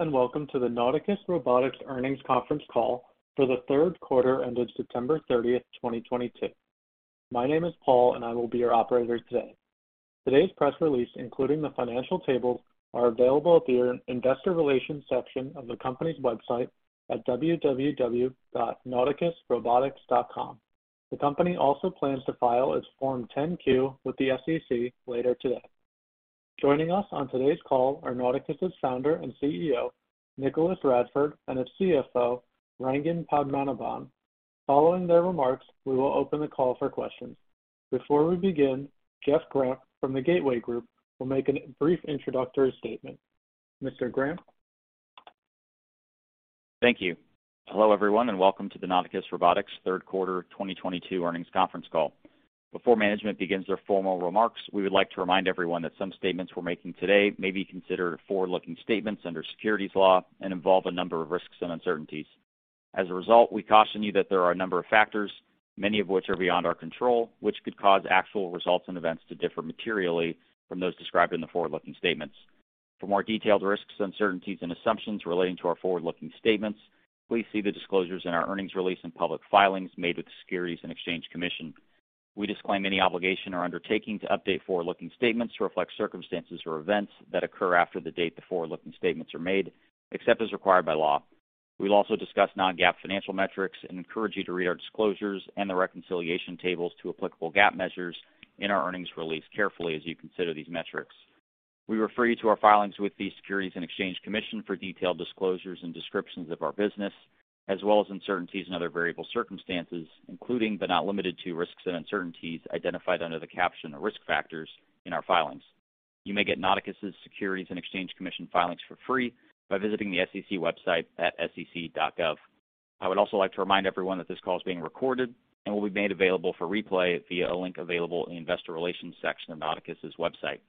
Hello and welcome to the Nauticus Robotics Earnings Conference Call for the Q3 ended September 30, 2022. My name is Paul and I will be your operator today. Today's press release, including the financial tables, are available at the Investor Relations section of the company's website at www.nauticusrobotics.com. The company also plans to file its Form 10-Q with the SEC later today. Joining us on today's call are Nauticus' Founder and CEO, Nicolaus Radford, and its CFO, Rangan Padmanabhan. Following their remarks, we will open the call for questions. Before we begin, Jeff Grampp from the Gateway Group will make a brief introductory statement. Mr. Grampp? Thank you. Hello, everyone, and welcome to the Nauticus Robotics Q3 2022 earnings conference call. Before management begins their formal remarks, we would like to remind everyone that some statements we're making today may be considered forward-looking statements under securities law and involve a number of risks and uncertainties. As a result, we caution you that there are a number of factors, many of which are beyond our control, which could cause actual results and events to differ materially from those described in the forward-looking statements. For more detailed risks, uncertainties, and assumptions relating to our forward-looking statements, please see the disclosures in our earnings release and public filings made with the Securities and Exchange Commission. We disclaim any obligation or undertaking to update forward-looking statements to reflect circumstances or events that occur after the date the forward-looking statements are made, except as required by law. We'll also discuss non-GAAP financial metrics and encourage you to read our disclosures and the reconciliation tables to applicable GAAP measures in our earnings release carefully as you consider these metrics. We refer you to our filings with the Securities and Exchange Commission for detailed disclosures and descriptions of our business, as well as uncertainties and other variable circumstances, including but not limited to risks and uncertainties identified under the caption 'Risk Factors' in our filings. You may get Nauticus' Securities and Exchange Commission filings for free by visiting the SEC website at sec.gov. I would also like to remind everyone that this call is being recorded and will be made available for replay via a link available in the Investor Relations section of Nauticus' website.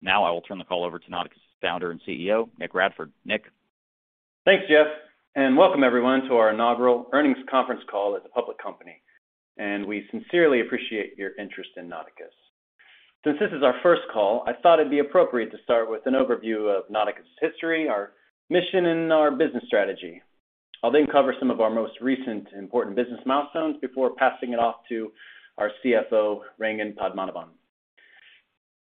Now I will turn the call over to Nauticus' Founder and CEO, Nick Radford. Nick? Thanks, Jeff, and welcome everyone to our inaugural earnings conference call as a public company, and we sincerely appreciate your interest in Nauticus. Since this is our first call, I thought it'd be appropriate to start with an overview of Nauticus' history, our mission, and our business strategy. I'll then cover some of our most recent important business milestones before passing it off to our CFO, Rangan Padmanabhan,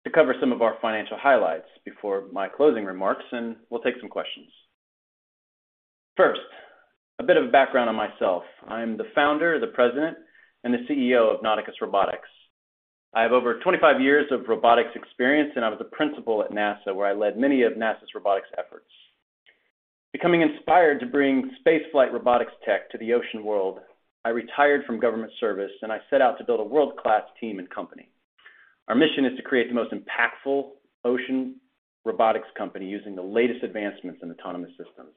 to cover some of our financial highlights before my closing remarks, and we'll take some questions. First, a bit of background on myself. I'm the founder, the president, and the CEO of Nauticus Robotics. I have over 25 years of robotics experience, and I was a principal at NASA, where I led many of NASA's robotics efforts. Becoming inspired to bring space flight robotics tech to the ocean world, I retired from government service, and I set out to build a world-class team and company. Our mission is to create the most impactful ocean robotics company using the latest advancements in autonomous systems.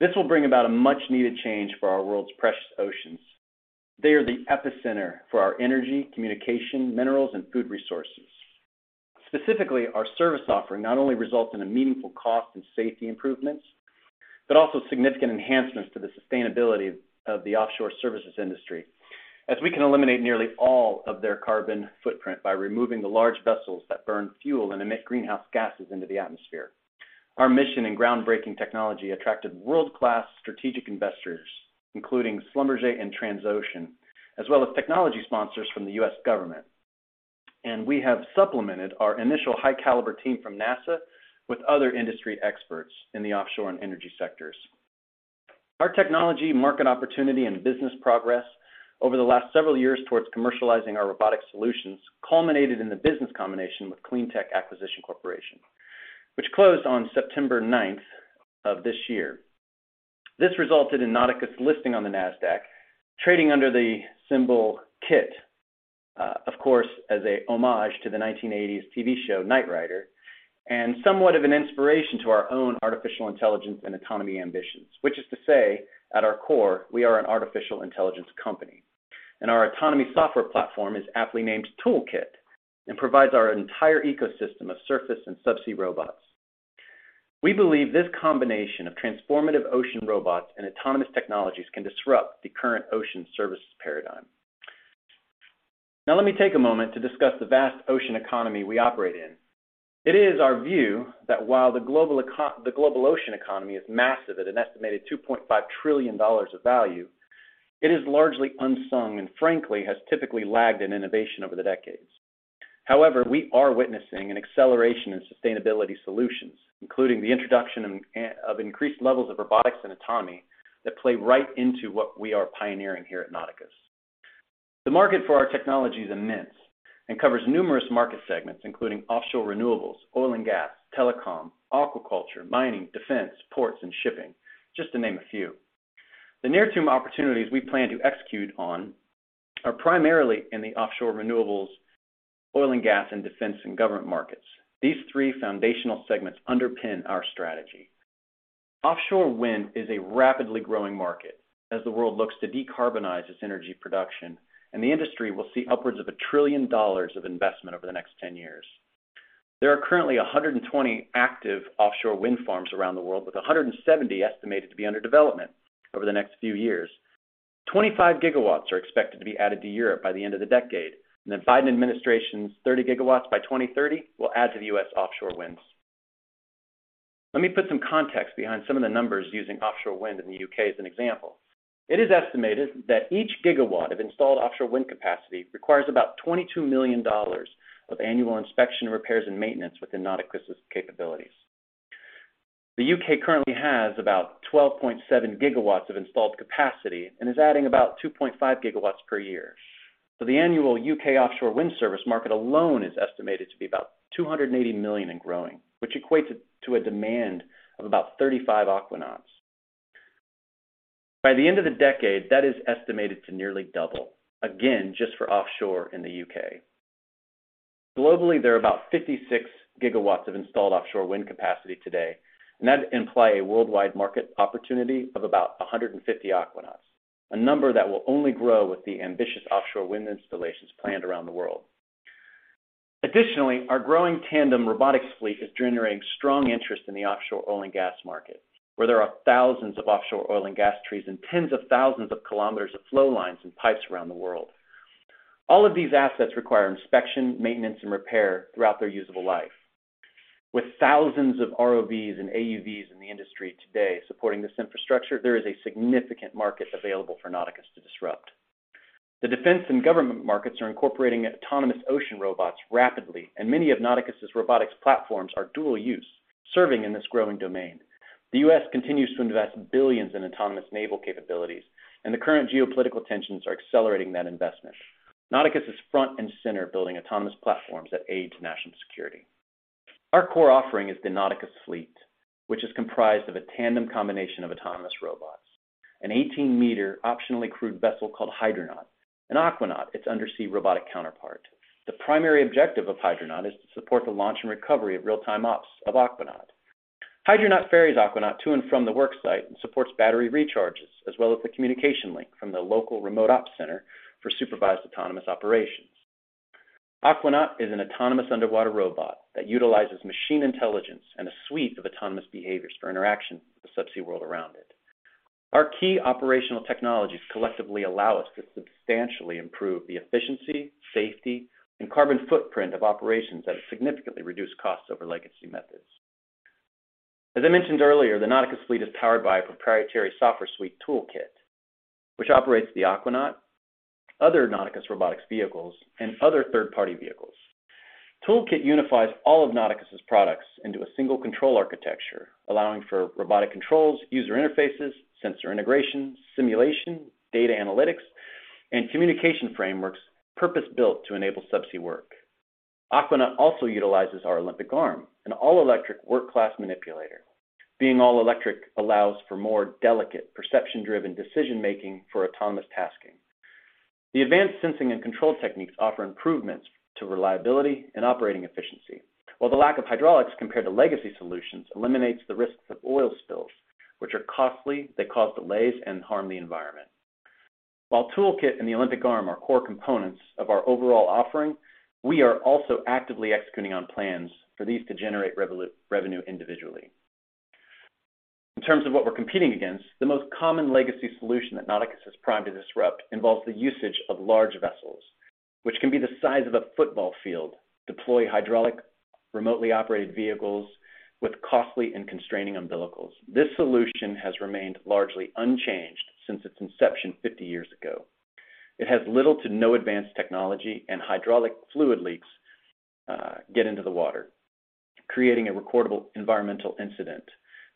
This will bring about a much-needed change for our world's precious oceans. They are the epicenter for our energy, communication, minerals, and food resources. Specifically, our service offering not only results in a meaningful cost and safety improvements, but also significant enhancements to the sustainability of the offshore services industry, as we can eliminate nearly all of their carbon footprint by removing the large vessels that burn fuel and emit greenhouse gases into the atmosphere. Our mission and groundbreaking technology attracted world-class strategic investors, including Schlumberger and Transocean, as well as technology sponsors from the U.S. government. We have supplemented our initial high-caliber team from NASA with other industry experts in the offshore and energy sectors. Our technology, market opportunity, and business progress over the last several years towards commercializing our robotic solutions culminated in the business combination with CleanTech Acquisition Corporation, which closed on September 9 of this year. This resulted in Nauticus listing on the Nasdaq, trading under the symbol KIT, of course, as a homage to the 1980s TV show Knight Rider, and somewhat of an inspiration to our own artificial intelligence and autonomy ambitions. Which is to say, at our core, we are an artificial intelligence company, and our autonomy software platform is aptly named toolKITT and provides our entire ecosystem of surface and subsea robots. We believe this combination of transformative ocean robots and autonomous technologies can disrupt the current ocean services paradigm. Now let me take a moment to discuss the vast ocean economy we operate in. It is our view that while the global ocean economy is massive at an estimated $2.5 trillion of value, it is largely unsung and frankly has typically lagged in innovation over the decades. However, we are witnessing an acceleration in sustainability solutions, including the introduction of increased levels of robotics and autonomy that play right into what we are pioneering here at Nauticus. The market for our technology is immense and covers numerous market segments, including offshore renewables, oil and gas, telecom, aquaculture, mining, defense, ports, and shipping, just to name a few. The near-term opportunities we plan to execute on are primarily in the offshore renewables, oil and gas, and defense and government markets. These three foundational segments underpin our strategy. Offshore wind is a rapidly growing market as the world looks to decarbonize its energy production, and the industry will see upwards of $1 trillion of investment over the next 10 years. There are currently 120 active offshore wind farms around the world, with 170 estimated to be under development over the next few years. 25 gigawatts are expected to be added to Europe by the end of the decade, and the Biden administration's 30 gigawatts by 2030 will add to the U.S. offshore wind. Let me put some context behind some of the numbers using offshore wind in the U.K. as an example. It is estimated that each gigawatt of installed offshore wind capacity requires about $22 million of annual inspection, repairs, and maintenance within Nauticus' capabilities. The U.K. currently has about 12.7 gigawatts of installed capacity and is adding about 2.5 gigawatts per year. The annual U.K. offshore wind service market alone is estimated to be about $280 million and growing, which equates it to a demand of about 35 Aquanauts. By the end of the decade, that is estimated to nearly double, again, just for offshore in the U.K. Globally, there are about 56 gigawatts of installed offshore wind capacity today, and that imply a worldwide market opportunity of about 150 Aquanauts, a number that will only grow with the ambitious offshore wind installations planned around the world. Additionally, our growing tandem robotics fleet is generating strong interest in the offshore oil and gas market, where there are thousands of offshore oil and gas trees and tens of thousands of kilometers of flow lines and pipes around the world. All of these assets require inspection, maintenance, and repair throughout their usable life. With thousands of ROVs and AUVs in the industry today supporting this infrastructure, there is a significant market available for Nauticus to disrupt. The defense and government markets are incorporating autonomous ocean robots rapidly, and many of Nauticus' robotics platforms are dual use, serving in this growing domain. The U.S. continues to invest billions in autonomous naval capabilities, and the current geopolitical tensions are accelerating that investment. Nauticus is front and center building autonomous platforms that aid national security. Our core offering is the Nauticus fleet, which is comprised of a tandem combination of autonomous robots, an 18-meter optionally crewed vessel called Hydronaut, and Aquanaut, its undersea robotic counterpart. The primary objective of Hydronaut is to support the launch and recovery of real-time ops of Aquanaut. Hydronaut ferries Aquanaut to and from the work site and supports battery recharges, as well as the communication link from the local remote op center for supervised autonomous operations. Aquanaut is an autonomous underwater robot that utilizes machine intelligence and a suite of autonomous behaviors for interaction with the subsea world around it. Our key operational technologies collectively allow us to substantially improve the efficiency, safety, and carbon footprint of operations at a significantly reduced cost over legacy methods. As I mentioned earlier, the Nauticus fleet is powered by a proprietary software suite toolKITT, which operates the Aquanaut, other Nauticus Robotics vehicles, and other third-party vehicles. toolKITT unifies all of Nauticus' products into a single control architecture, allowing for robotic controls, user interfaces, sensor integration, simulation, data analytics, and communication frameworks purpose-built to enable subsea work. Aquanaut also utilizes our Olympic Arm, an all-electric work class manipulator. Being all electric allows for more delicate perception-driven decision making for autonomous tasking. The advanced sensing and control techniques offer improvements to reliability and operating efficiency, while the lack of hydraulics compared to legacy solutions eliminates the risks of oil spills, which are costly, they cause delays, and harm the environment. While toolKITT and the Olympic Arm are core components of our overall offering, we are also actively executing on plans for these to generate revenue individually. In terms of what we're competing against, the most common legacy solution that Nauticus is primed to disrupt involves the usage of large vessels, which can be the size of a football field, deploy hydraulic remotely operated vehicles with costly and constraining umbilicals. This solution has remained largely unchanged since its inception 50 years ago. It has little to no advanced technology, and hydraulic fluid leaks get into the water, creating a recordable environmental incident.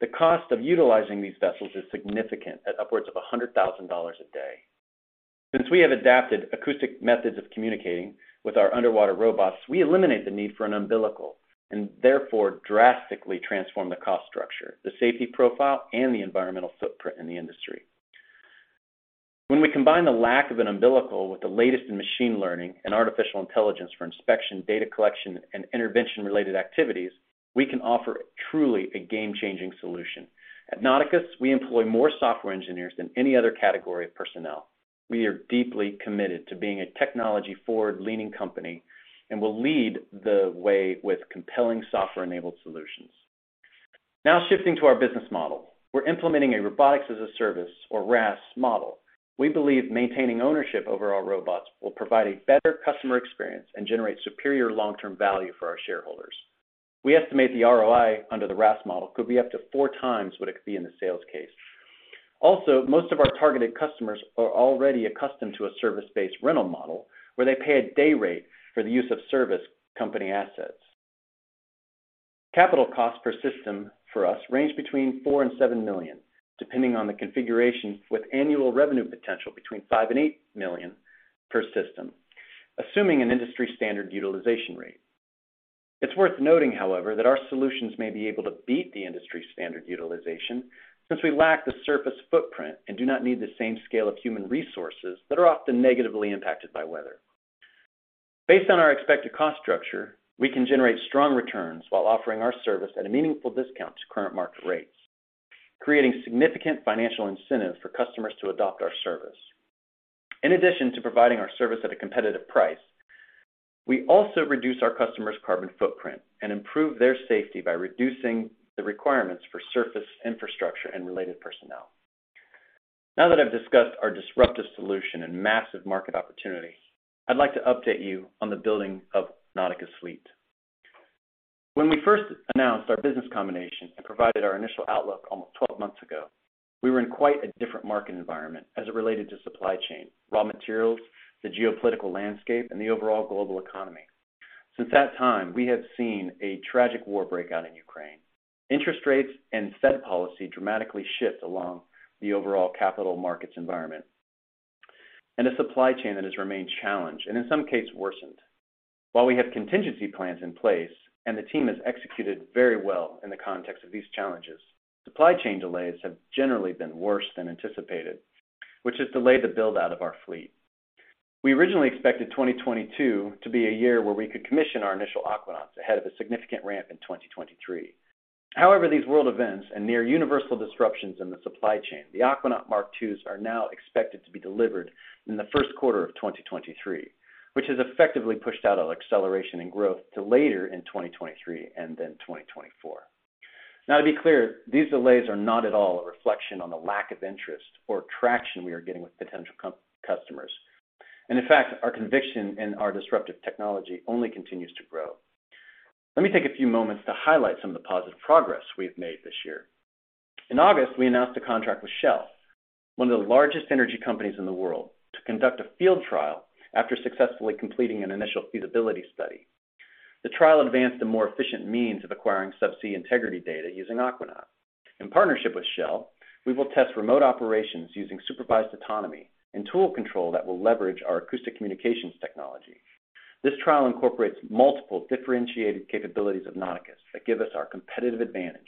The cost of utilizing these vessels is significant at upwards of $100,000 a day. Since we have adapted acoustic methods of communicating with our underwater robots, we eliminate the need for an umbilical and therefore drastically transform the cost structure, the safety profile, and the environmental footprint in the industry. When we combine the lack of an umbilical with the latest in machine learning and artificial intelligence for inspection, data collection, and intervention-related activities, we can offer truly a game-changing solution. At Nauticus, we employ more software engineers than any other category of personnel. We are deeply committed to being a technology forward-leaning company and will lead the way with compelling software-enabled solutions. Now shifting to our business model. We're implementing a robotics-as-a-service or RaaS model. We believe maintaining ownership over our robots will provide a better customer experience and generate superior long-term value for our shareholders. We estimate the ROI under the RaaS model could be up to four times what it could be in the sales case. Also, most of our targeted customers are already accustomed to a service-based rental model where they pay a day rate for the use of service company assets. Capital costs per system for us range between $4 million and $7 million, depending on the configuration with annual revenue potential between $5 million and $8 million per system, assuming an industry standard utilization rate. It's worth noting, however, that our solutions may be able to beat the industry standard utilization since we lack the surface footprint and do not need the same scale of human resources that are often negatively impacted by weather. Based on our expected cost structure, we can generate strong returns while offering our service at a meaningful discount to current market rates, creating significant financial incentive for customers to adopt our service. In addition to providing our service at a competitive price. We also reduce our customers' carbon footprint and improve their safety by reducing the requirements for surface infrastructure and related personnel. Now that I've discussed our disruptive solution and massive market opportunity, I'd like to update you on the building of Nauticus fleet. When we first announced our business combination and provided our initial outlook almost 12 months ago, we were in quite a different market environment as it related to supply chain, raw materials, the geopolitical landscape, and the overall global economy. Since that time, we have seen a tragic war breakout in Ukraine, interest rates and Fed policy dramatically shift along the overall capital markets environment, and a supply chain that has remained challenged, and in some cases worsened. While we have contingency plans in place and the team has executed very well in the context of these challenges, supply chain delays have generally been worse than anticipated, which has delayed the build-out of our fleet. We originally expected 2022 to be a year where we could commission our initial Aquanauts ahead of a significant ramp in 2023. However, these world events and near universal disruptions in the supply chain. The Aquanaut Mark Twos are now expected to be delivered in the Q1 of 2023, which has effectively pushed out our acceleration in growth to later in 2023 and then 2024. Now to be clear, these delays are not at all a reflection on the lack of interest or traction we are getting with potential customers. In fact, our conviction in our disruptive technology only continues to grow. Let me take a few moments to highlight some of the positive progress we have made this year. In August, we announced a contract with Shell, one of the largest energy companies in the world, to conduct a field trial after successfully completing an initial feasibility study. The trial advanced a more efficient means of acquiring subsea integrity data using Aquanaut. In partnership with Shell, we will test remote operations using supervised autonomy and tool control that will leverage our acoustic communications technology. This trial incorporates multiple differentiated capabilities of Nauticus that give us our competitive advantage,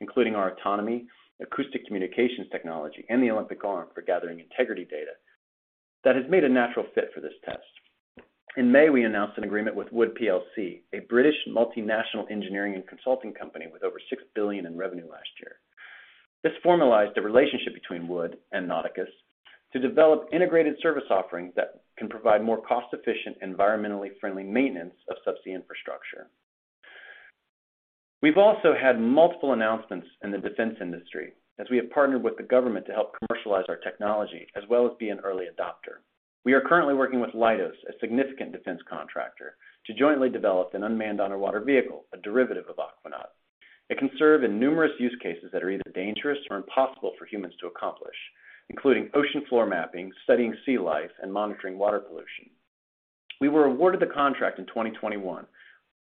including our autonomy, acoustic communications technology, and the Olympic Arm for gathering integrity data that has made a natural fit for this test. In May, we announced an agreement with Wood plc, a British multinational engineering and consulting company with over $6 billion in revenue last year. This formalized a relationship between Wood and Nauticus to develop integrated service offerings that can provide more cost-efficient, environmentally friendly maintenance of subsea infrastructure. We've also had multiple announcements in the defense industry as we have partnered with the government to help commercialize our technology, as well as be an early adopter. We are currently working with Leidos, a significant defense contractor, to jointly develop an unmanned underwater vehicle, a derivative of Aquanaut. It can serve in numerous use cases that are either dangerous or impossible for humans to accomplish, including ocean floor mapping, studying sea life, and monitoring water pollution. We were awarded the contract in 2021,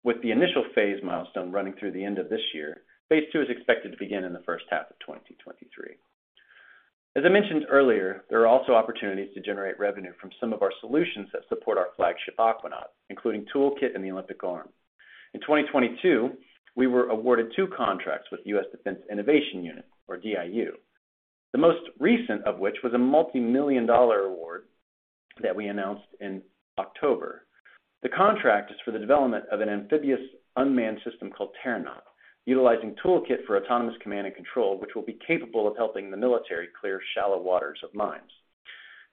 with the initial phase milestone running through the end of this year. Phase two is expected to begin in the first half of 2023. As I mentioned earlier, there are also opportunities to generate revenue from some of our solutions that support our flagship Aquanaut, including toolKITT and the Olympic Arm. In 2022, we were awarded two contracts with U.S. Defense Innovation Unit, or DIU, the most recent of which was a $multi-million award that we announced in October. The contract is for the development of an amphibious unmanned system called Terranaut, utilizing toolKITT for autonomous command and control, which will be capable of helping the military clear shallow waters of mines,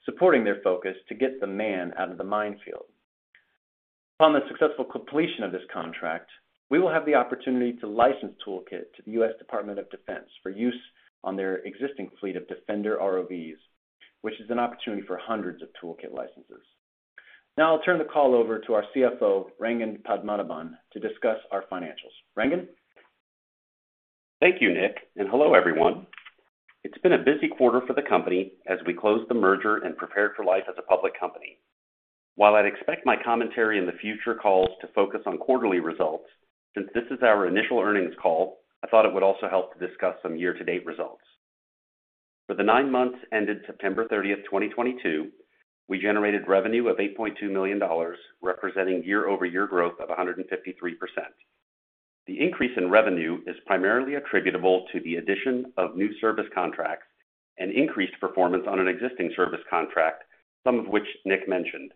supporting their focus to get the man out of the minefield. Upon the successful completion of this contract, we will have the opportunity to license toolKITT to the U.S. Department of Defense for use on their existing fleet of Defender ROVs, which is an opportunity for hundreds of toolKITT licenses. Now I'll turn the call over to our CFO, Rangan Padmanabhan, to discuss our financials. Rangan? Thank you, Nick, and hello, everyone. It's been a busy quarter for the company as we close the merger and prepare for life as a public company. While I'd expect my commentary in the future calls to focus on quarterly results, since this is our initial earnings call, I thought it would also help to discuss some year-to-date results. For the nine months ended September 30, 2022, we generated revenue of $8.2 million, representing year-over-year growth of 153%. The increase in revenue is primarily attributable to the addition of new service contracts and increased performance on an existing service contract, some of which Nick mentioned.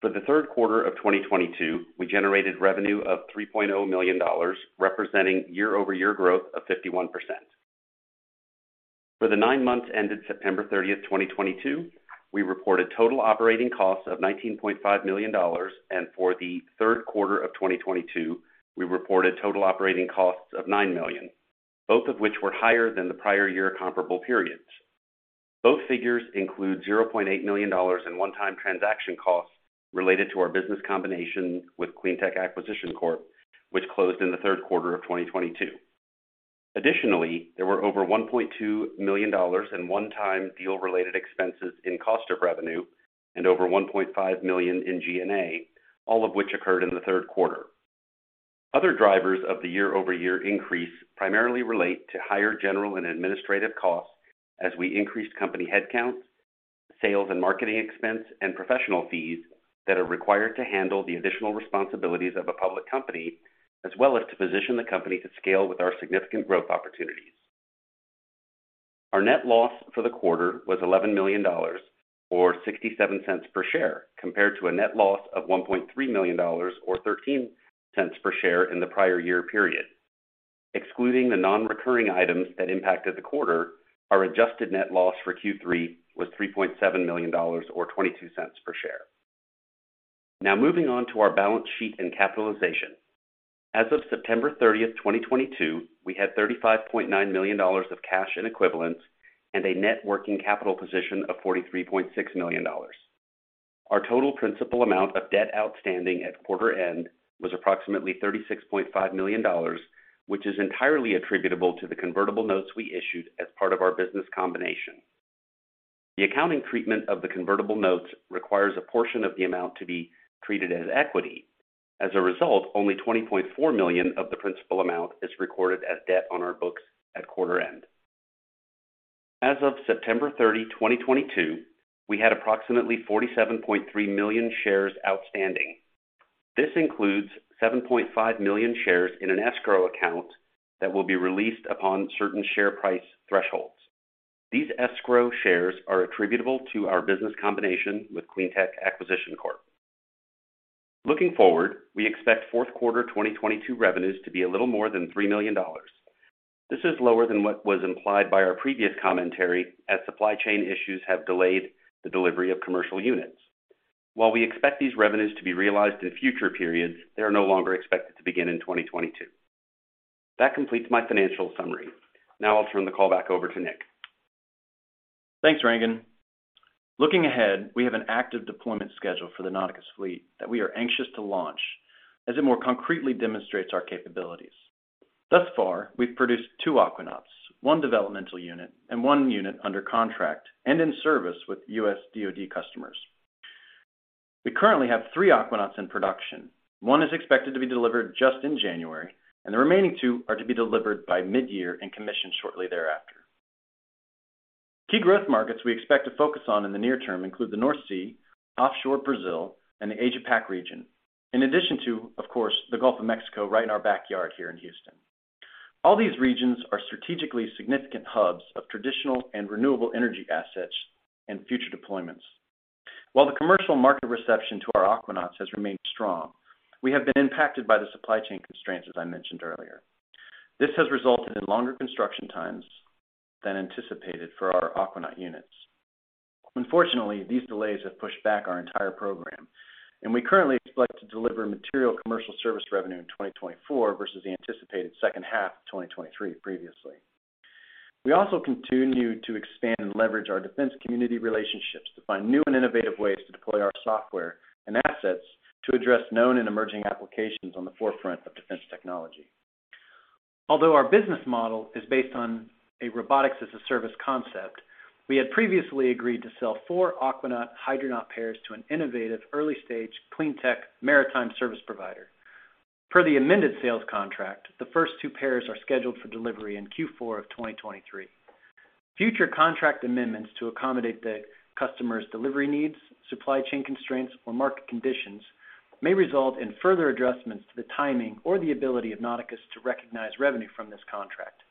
For the Q3 of 2022, we generated revenue of $3.0 million, representing year-over-year growth of 51%. For the nine months ended September 30, 2022, we reported total operating costs of $19.5 million, and for the Q3 of 2022, we reported total operating costs of $9 million, both of which were higher than the prior year comparable periods. Both figures include $0.8 million in one-time transaction costs related to our business combination with CleanTech Acquisition Corp, which closed in the Q3 of 2022. Additionally, there were over $1.2 million in one-time deal-related expenses in cost of revenue and over $1.5 million in G&A, all of which occurred in the Q3. Other drivers of the year-over-year increase primarily relate to higher general and administrative costs as we increased company headcounts, sales and marketing expense, and professional fees that are required to handle the additional responsibilities of a public company, as well as to position the company to scale with our significant growth opportunities. Our net loss for the quarter was $11 million or $0.67 per share, compared to a net loss of $1.3 million or $0.13 per share in the prior year period. Excluding the non-recurring items that impacted the quarter, our adjusted net loss for Q3 was $3.7 million or $0.22 per share. Now moving on to our balance sheet and capitalization. As of September 30, 2022, we had $35.9 million of cash and equivalents and a net working capital position of $43.6 million. Our total principal amount of debt outstanding at quarter end was approximately $36.5 million, which is entirely attributable to the convertible notes we issued as part of our business combination. The accounting treatment of the convertible notes requires a portion of the amount to be treated as equity. As a result, only $20.4 million of the principal amount is recorded as debt on our books at quarter end. As of September 30, 2022, we had approximately 47.3 million shares outstanding. This includes 7.5 million shares in an escrow account that will be released upon certain share price thresholds. These escrow shares are attributable to our business combination with CleanTech Acquisition Corp. Looking forward, we expect Q4 2022 revenues to be a little more than $3 million. This is lower than what was implied by our previous commentary as supply chain issues have delayed the delivery of commercial units. While we expect these revenues to be realized in future periods, they are no longer expected to begin in 2022. That completes my financial summary. Now I'll turn the call back over to Nick. Thanks, Rangan. Looking ahead, we have an active deployment schedule for the Nauticus fleet that we are anxious to launch as it more concretely demonstrates our capabilities. Thus far, we've produced 2 Aquanauts, 1 developmental unit and 1 unit under contract and in service with U.S. DoD customers. We currently have 3 Aquanauts in production. 1 is expected to be delivered just in January, and the remaining 2 are to be delivered by mid-year and commissioned shortly thereafter. Key growth markets we expect to focus on in the near term include the North Sea, offshore Brazil, and the Asia Pac region. In addition to, of course, the Gulf of Mexico right in our backyard here in Houston. All these regions are strategically significant hubs of traditional and renewable energy assets and future deployments. While the commercial market reception to our Aquanauts has remained strong, we have been impacted by the supply chain constraints, as I mentioned earlier. This has resulted in longer construction times than anticipated for our Aquanaut units. Unfortunately, these delays have pushed back our entire program, and we currently expect to deliver material commercial service revenue in 2024 versus the anticipated second half of 2023 previously. We also continue to expand and leverage our defense community relationships to find new and innovative ways to deploy our software and assets to address known and emerging applications on the forefront of defense technology. Although our business model is based on a robotics-as-a-service concept, we had previously agreed to sell four Aquanaut-Hydronaut pairs to an innovative early-stage clean tech maritime service provider. Per the amended sales contract, the first two pairs are scheduled for delivery in Q4 of 2023. Future contract amendments to accommodate the customer's delivery needs, supply chain constraints, or market conditions may result in further adjustments to the timing or the ability of Nauticus to recognize revenue from this contract.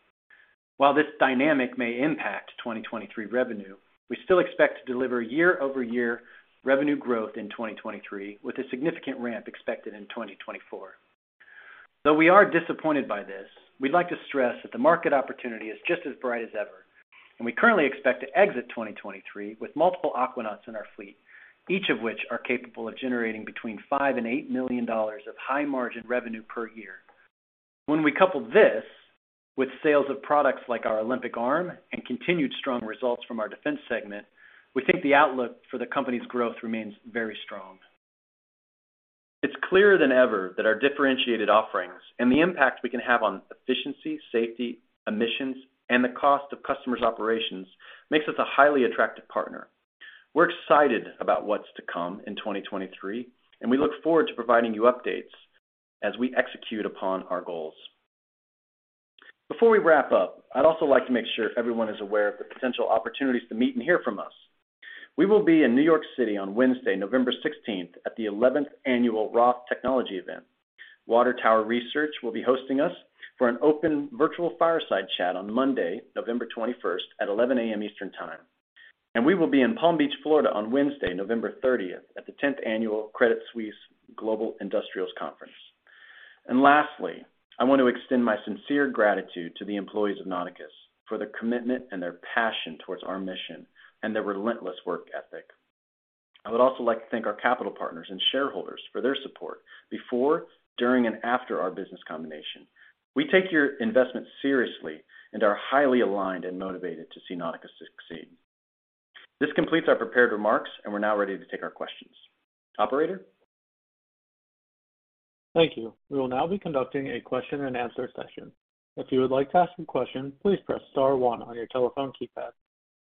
While this dynamic may impact 2023 revenue, we still expect to deliver year-over-year revenue growth in 2023, with a significant ramp expected in 2024. Though we are disappointed by this, we'd like to stress that the market opportunity is just as bright as ever, and we currently expect to exit 2023 with multiple Aquanauts in our fleet, each of which are capable of generating between $5 million and $8 million of high-margin revenue per year. When we couple this with sales of products like our Olympic Arm and continued strong results from our defense segment, we think the outlook for the company's growth remains very strong. It's clearer than ever that our differentiated offerings and the impact we can have on efficiency, safety, emissions, and the cost of customers' operations makes us a highly attractive partner. We're excited about what's to come in 2023, and we look forward to providing you updates as we execute upon our goals. Before we wrap up, I'd also like to make sure everyone is aware of the potential opportunities to meet and hear from us. We will be in New York City on Wednesday, November 16, at the 11th Annual Roth Technology event. WaterTower Research will be hosting us for an open virtual fireside chat on Monday, November 21 at 11:00 A.M. Eastern Time. We will be in Palm Beach, Florida, on Wednesday, November 30 at the 10th Annual Credit Suisse Global Industrials Conference. Lastly, I want to extend my sincere gratitude to the employees of Nauticus for their commitment and their passion towards our mission and their relentless work ethic. I would also like to thank our capital partners and shareholders for their support before, during, and after our business combination. We take your investment seriously and are highly aligned and motivated to see Nauticus succeed. This completes our prepared remarks, and we're now ready to take our questions. Operator? Thank you. We will now be conducting a question and answer session. If you would like to ask a question, please press star one on your telephone keypad.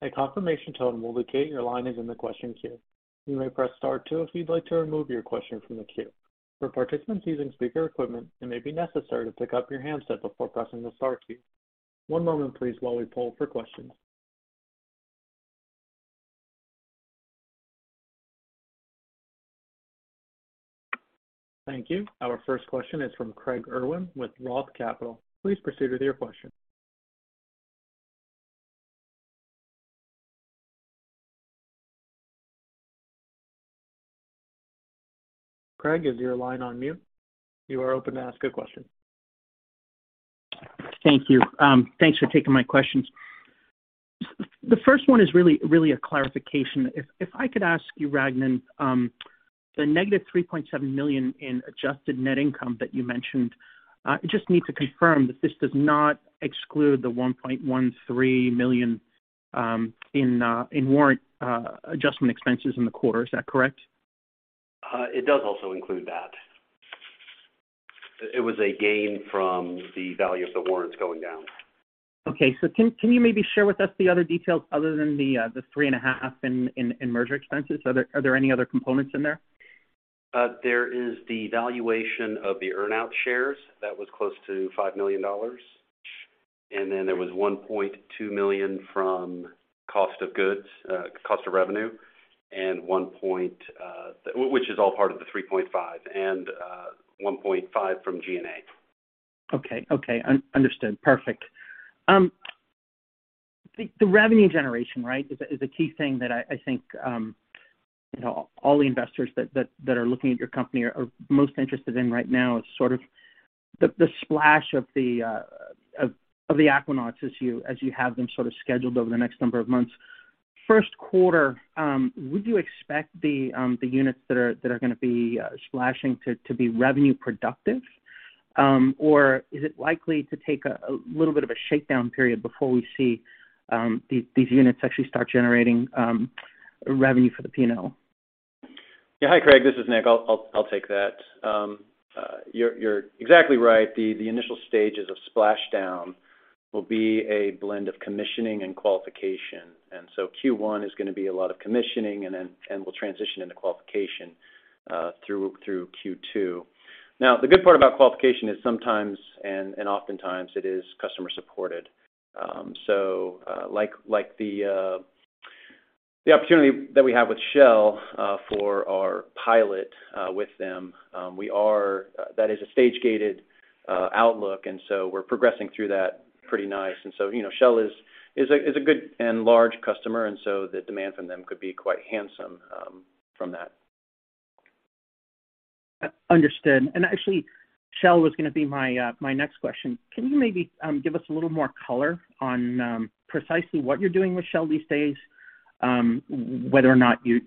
A confirmation tone will indicate your line is in the question queue. You may press star two if you'd like to remove your question from the queue. For participants using speaker equipment, it may be necessary to pick up your handset before pressing the star key. One moment please while we poll for questions. Thank you. Our first question is from Craig Irwin with Roth Capital Partners. Please proceed with your question. Craig, is your line on mute? You are open to ask a question. Thank you. Thanks for taking my questions. The first one is really a clarification. If I could ask you, Rangan, the negative $3.7 million in adjusted net income that you mentioned, just need to confirm that this does not exclude the $1.13 million in warrant adjustment expenses in the quarter. Is that correct? It does also include that. It was a gain from the value of the warrants going down. Can you maybe share with us the other details other than the $3.5 million in merger expenses? Are there any other components in there? There is the valuation of the earn-out shares that was close to $5 million. Then there was $1.2 million from cost of goods, cost of revenue, which is all part of the $3.5, and $1.5 from G&A. Okay. Understood. Perfect. The revenue generation, right, is a key thing that I think, you know, all the investors that are looking at your company are most interested in right now is sort of the splash of the Aquanauts as you have them sort of scheduled over the next number of months. Q1, would you expect the units that are gonna be splashing to be revenue productive, or is it likely to take a little bit of a shakedown period before we see these units actually start generating revenue for the P&L? Yeah. Hi, Craig. This is Nick. I'll take that. You're exactly right. The initial stages of splash down will be a blend of commissioning and qualification. Q1 is gonna be a lot of commissioning, and then we'll transition into qualification through Q2. Now, the good part about qualification is sometimes and oftentimes it is customer-supported. Like the opportunity that we have with Shell for our pilot with them, that is a stage-gated outlook, and so we're progressing through that pretty nice. You know, Shell is a good and large customer, and so the demand from them could be quite handsome from that. Understood. Actually, Shell was gonna be my next question. Can you maybe give us a little more color on precisely what you're doing with Shell these days, whether or not you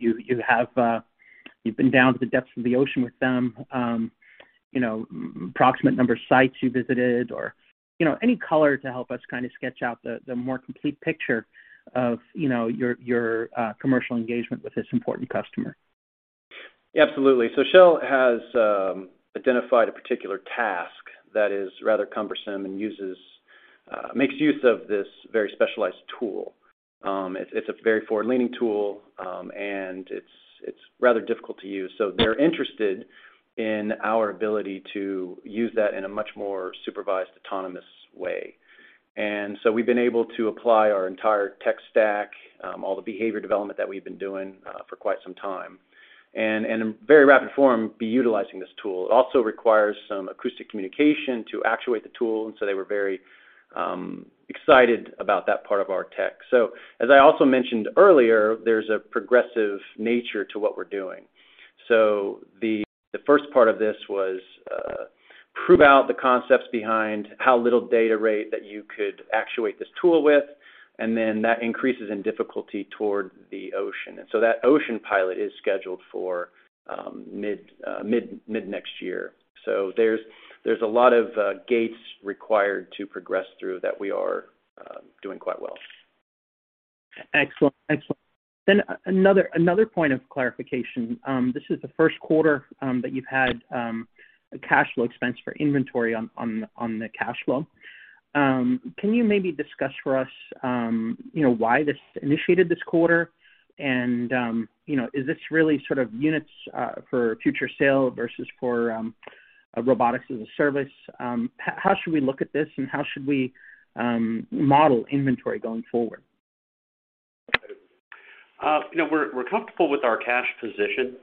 have been down to the depths of the ocean with them, you know, approximate number of sites you visited or, you know, any color to help us kind of sketch out the more complete picture of, you know, your commercial engagement with this important customer. Absolutely. Shell has identified a particular task that is rather cumbersome and makes use of this very specialized tool. It's a very forward-leaning tool, and it's rather difficult to use. They're interested in our ability to use that in a much more supervised, autonomous way. We've been able to apply our entire tech stack, all the behavior development that we've been doing, for quite some time, and in very rapid form, be utilizing this tool. It also requires some acoustic communication to actuate the tool, and so they were very excited about that part of our tech. As I also mentioned earlier, there's a progressive nature to what we're doing. The first part of this was prove out the concepts behind how little data rate that you could actuate this tool with, and then that increases in difficulty toward the ocean. That ocean pilot is scheduled for mid next year. There's a lot of gates required to progress through that we are doing quite well. Excellent. Another point of clarification. This is the Q1 that you've had a cash flow expense for inventory on the cash flow. Can you maybe discuss for us, you know, why this initiated this quarter? You know, is this really sort of units for future sale versus for a robotics-as-a-service? How should we look at this, and how should we model inventory going forward? You know, we're comfortable with our cash position.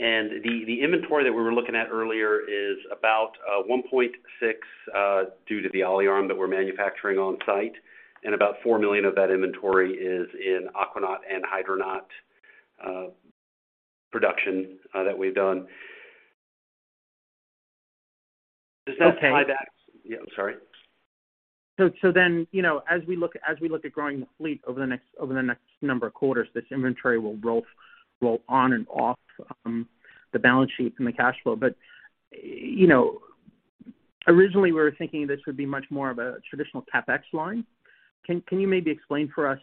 The inventory that we were looking at earlier is about $5.6 million due to the Olympic Arm that we're manufacturing on-site, and about $4 million of that inventory is in Aquanaut and Hydronaut production that we've done. Okay. Yeah, I'm sorry. As we look at growing the fleet over the next number of quarters, this inventory will roll on and off the balance sheet and the cash flow. Originally, we were thinking this would be much more of a traditional CapEx line. Can you maybe explain for us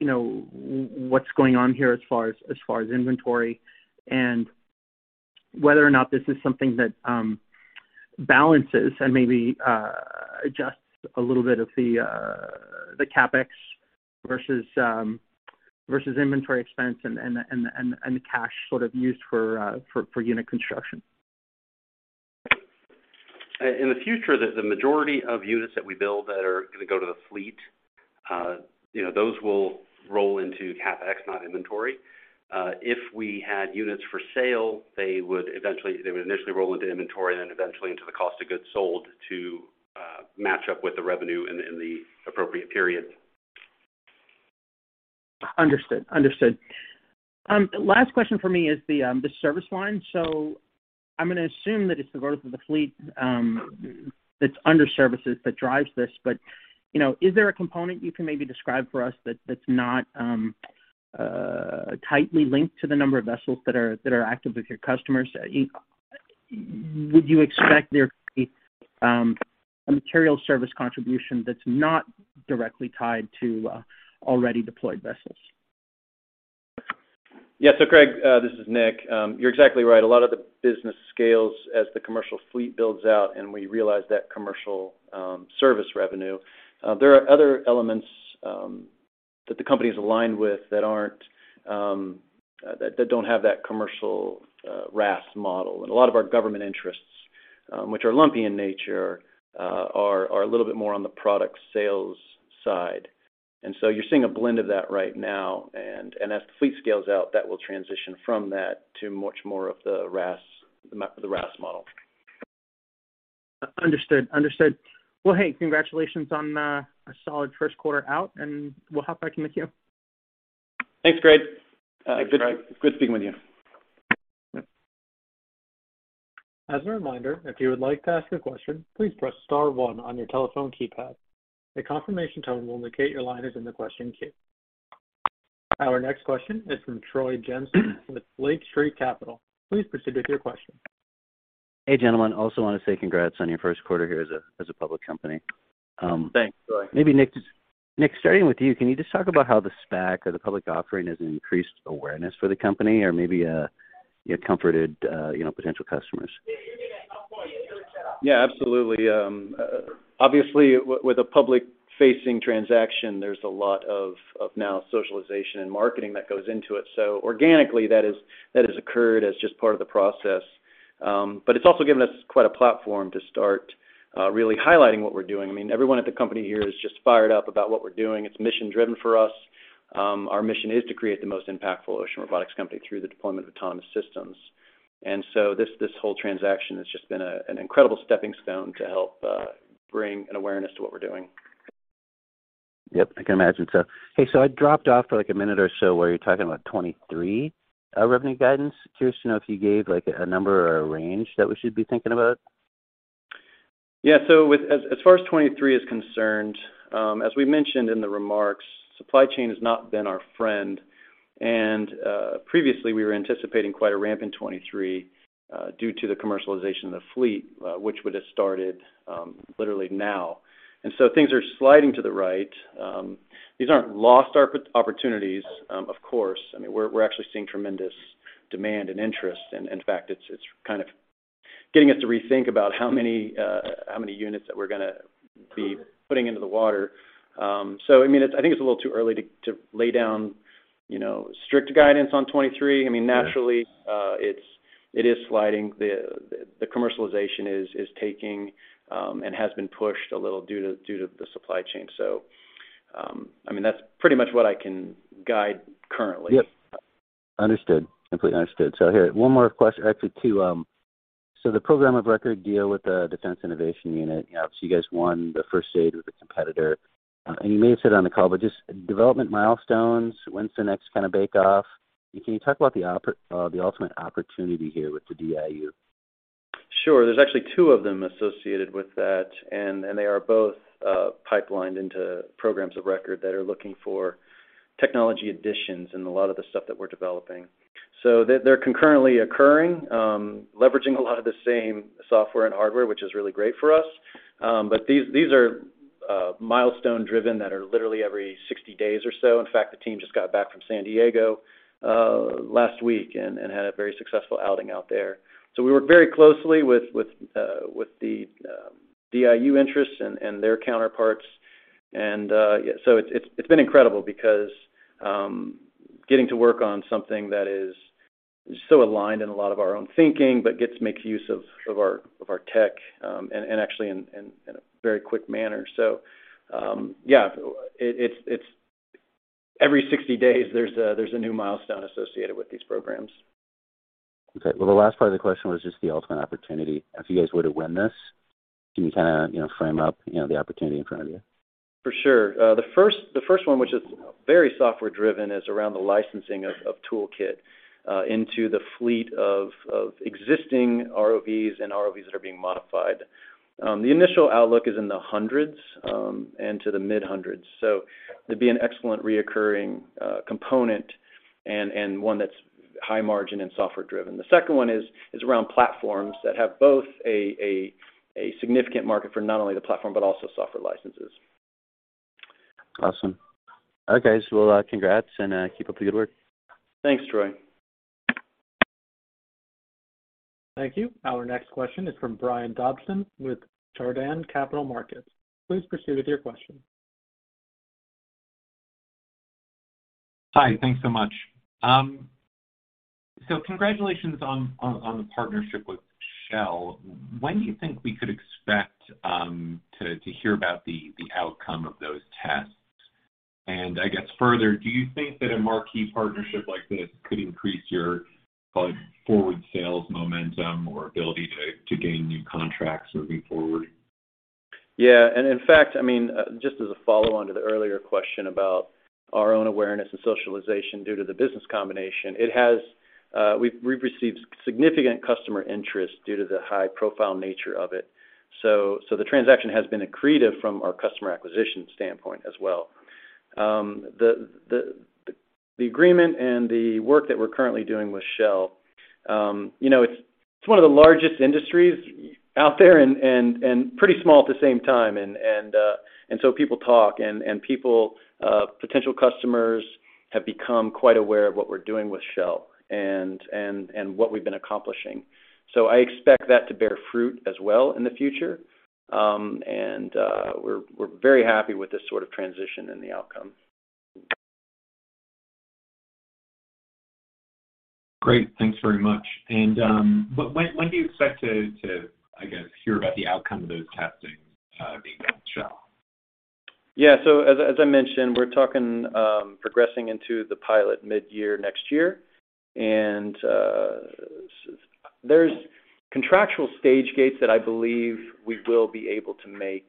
what's going on here as far as inventory and whether or not this is something that balances and maybe adjusts a little bit of the CapEx versus inventory expense and the cash sort of used for unit construction. In the future, the majority of units that we build that are gonna go to the fleet, you know, those will roll into CapEx, not inventory. If we had units for sale, they would initially roll into inventory and then eventually into the cost of goods sold to match up with the revenue in the appropriate period. Understood. Last question for me is the service line. I'm gonna assume that it's the growth of the fleet, that's under services that drives this. You know, is there a component you can maybe describe for us that's not tightly linked to the number of vessels that are active with your customers? Would you expect there to be a material service contribution that's not directly tied to already deployed vessels? Yeah. Craig, this is Nick. You're exactly right. A lot of the business scales as the commercial fleet builds out, and we realize that commercial service revenue. There are other elements that the company is aligned with that aren't that don't have that commercial RaaS model. A lot of our government interests, which are lumpy in nature, are a little bit more on the product sales side. You're seeing a blend of that right now, and as the fleet scales out, that will transition from that to much more of the RaaS model. Understood. Well, hey, congratulations on a solid Q1 out, and we'll hop back in with you. Thanks, Craig. Thanks, Craig. Good speaking with you. Yep. As a reminder, if you would like to ask a question, please press star one on your telephone keypad. A confirmation tone will indicate your line is in the question queue. Our next question is from Troy Jensen with Lake Street Capital. Please proceed with your question. Hey, gentlemen. Also wanna say congrats on your Q1 here as a public company. Thanks, Troy. Nick, starting with you, can you just talk about how the SPAC or the public offering has increased awareness for the company or maybe, you know, comforted, you know, potential customers? Yeah, absolutely. Obviously with a public-facing transaction, there's a lot of new socialization and marketing that goes into it. Organically that has occurred as just part of the process. It's also given us quite a platform to start really highlighting what we're doing. I mean, everyone at the company here is just fired up about what we're doing. It's mission-driven for us. Our mission is to create the most impactful ocean robotics company through the deployment of autonomous systems. This whole transaction has just been an incredible stepping stone to help bring an awareness to what we're doing. Yep. I can imagine so. Hey, I dropped off for like a minute or so where you're talking about 2023 revenue guidance. Curious to know if you gave like a number or a range that we should be thinking about. As far as 2023 is concerned, as we mentioned in the remarks, supply chain has not been our friend. Previously we were anticipating quite a ramp in 2023, due to the commercialization of the fleet, which would've started literally now. Things are sliding to the right. These aren't lost opportunities, of course. I mean, we're actually seeing tremendous demand and interest. In fact, it's kind of getting us to rethink about how many units that we're gonna be putting into the water. I mean, I think it's a little too early to lay down, you know, strict guidance on 2023. I mean, naturally. Yeah It is sliding. The commercialization is taking and has been pushed a little due to the supply chain. I mean, that's pretty much what I can guide currently. Yep. Understood. Completely understood. Here, one more question. Actually, two. The program of record deal with the Defense Innovation Unit, you know, obviously you guys won the first stage with a competitor. You may have said it on the call, but just development milestones, when's the next kind of bake off? Can you talk about the ultimate opportunity here with the DIU? Sure. There's actually two of them associated with that, and they are both pipelined into programs of record that are looking for technology additions in a lot of the stuff that we're developing. They're concurrently occurring, leveraging a lot of the same software and hardware, which is really great for us. These are milestone driven that are literally every 60 days or so. In fact, the team just got back from San Diego last week and had a very successful outing out there. We work very closely with the DIU interests and their counterparts. It's been incredible because getting to work on something that is so aligned in a lot of our own thinking, but gets to make use of our tech, and actually in a very quick manner. It's every 60 days there's a new milestone associated with these programs. Okay. Well, the last part of the question was just the ultimate opportunity. If you guys were to win this, can you kinda, you know, frame up, you know, the opportunity in front of you? For sure. The first one, which is very software driven, is around the licensing of toolKITT into the fleet of existing ROVs that are being modified. The initial outlook is in the hundreds and to the mid hundreds, so it'd be an excellent recurring component and one that's high margin and software driven. The second one is around platforms that have both a significant market for not only the platform, but also software licenses. Awesome. All right, guys. Well, congrats, and keep up the good work. Thanks, Troy. Thank you. Our next question is from Brian Dobson with Chardan Capital Markets. Please proceed with your question. Hi. Thanks so much. So congratulations on the partnership with Shell. When do you think we could expect to hear about the outcome of those tests? I guess further, do you think that a marquee partnership like this could increase your forward sales momentum or ability to gain new contracts moving forward? Yeah. In fact, I mean, just as a follow-on to the earlier question about our own awareness and socialization due to the business combination, we've received significant customer interest due to the high-profile nature of it. The transaction has been accretive from our customer acquisition standpoint as well. The agreement and the work that we're currently doing with Shell, you know, it's one of the largest industries out there and pretty small at the same time. So people talk and people, potential customers have become quite aware of what we're doing with Shell and what we've been accomplishing. I expect that to bear fruit as well in the future. We're very happy with this sort of transition and the outcome. Great. Thanks very much. When do you expect to, I guess, hear about the outcome of those testing being done with Shell? Yeah. As I mentioned, we're talking progressing into the pilot mid-year next year. There's contractual stage gates that I believe we will be able to make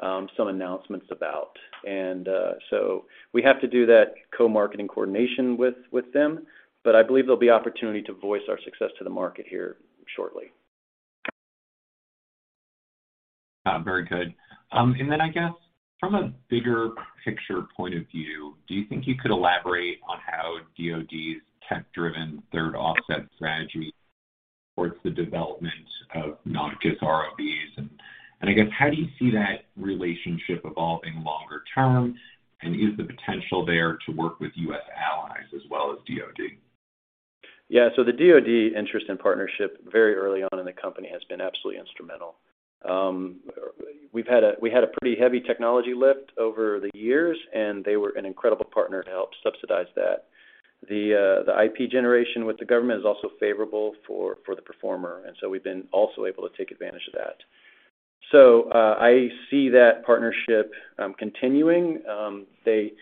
some announcements about. We have to do that co-marketing coordination with them, but I believe there'll be opportunity to voice our success to the market here shortly. Very good. I guess from a bigger picture point of view, do you think you could elaborate on how DoD's tech-driven Third Offset Strategy supports the development of not just ROVs? I guess, how do you see that relationship evolving longer term, and is the potential there to work with U.S. allies as well as DoD? Yeah. The DoD interest and partnership very early on in the company has been absolutely instrumental. We've had a pretty heavy technology lift over the years, and they were an incredible partner to help subsidize that. The IP generation with the government is also favorable for the performer, and so we've been also able to take advantage of that. I see that partnership continuing. They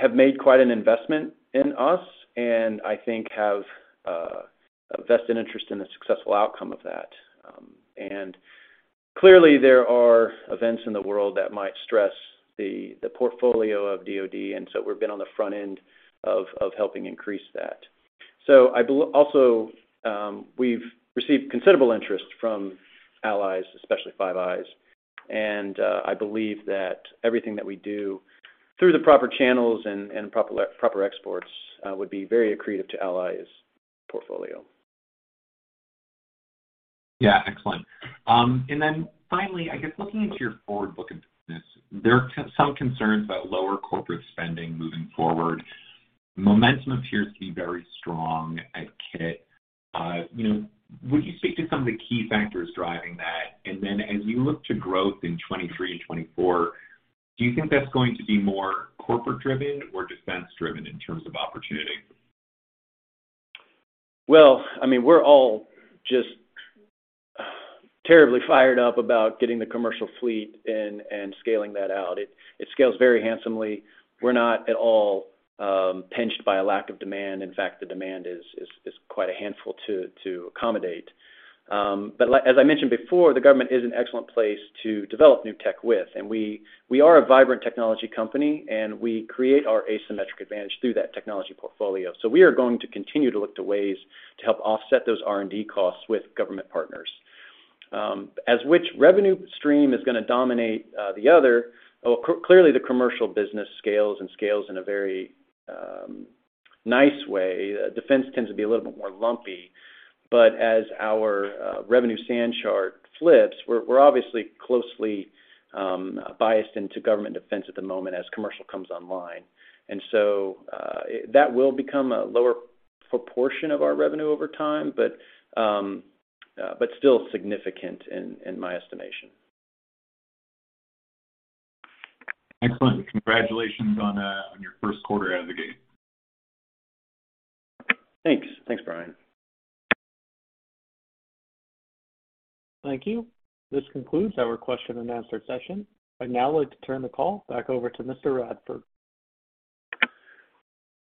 have made quite an investment in us, and I think have a vested interest in the successful outcome of that. Clearly, there are events in the world that might stress the portfolio of DoD, and so we've been on the front end of helping increase that. Also, we've received considerable interest from allies, especially Five Eyes, and I believe that everything that we do through the proper channels and proper exports would be very accretive to allies' portfolio. Yeah. Excellent. Finally, I guess looking into your forward book of business, there are some concerns about lower corporate spending moving forward. Momentum appears to be very strong at Kit. You know, would you speak to some of the key factors driving that? As you look to growth in 2023 and 2024, do you think that's going to be more corporate driven or defense driven in terms of opportunities? I mean, we're all just terribly fired up about getting the commercial fleet and scaling that out. It scales very handsomely. We're not at all pinched by a lack of demand. In fact, the demand is quite a handful to accommodate. Like, as I mentioned before, the government is an excellent place to develop new tech with. We are a vibrant technology company, and we create our asymmetric advantage through that technology portfolio. We are going to continue to look to ways to help offset those R&D costs with government partners. As to which revenue stream is gonna dominate the other. Well, clearly the commercial business scales in a very nice way. Defense tends to be a little bit more lumpy, but as our revenue ramp chart flips, we're obviously closely tied into government defense at the moment as commercial comes online. That will become a lower proportion of our revenue over time, but still significant in my estimation. Excellent. Congratulations on your Q1 out of the gate. Thanks. Thanks, Brian. Thank you. This concludes our question and answer session. I'd now like to turn the call back over to Mr. Radford.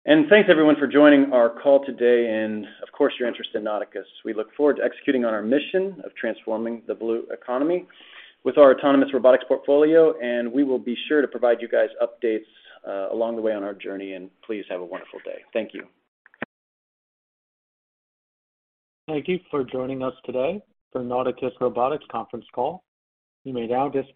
Thanks everyone for joining our call today and of course, your interest in Nauticus. We look forward to executing on our mission of transforming the blue economy with our autonomous robotics portfolio, and we will be sure to provide you guys updates, along the way on our journey. Please have a wonderful day. Thank you. Thank you for joining us today for Nauticus Robotics conference call. You may now disconnect.